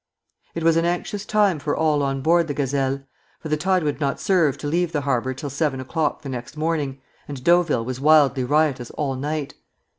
It was an anxious time for all on board the "Gazelle," for the tide would not serve to leave the harbor till seven o'clock the next morning, and Deauville was wildly riotous all night.